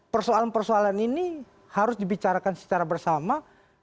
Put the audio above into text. persoalan persoalan ini harus dibicarakan secara bersama